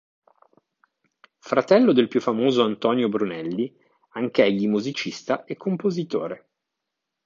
Fratello del più famoso Antonio Brunelli, anch'egli musicista e compositore.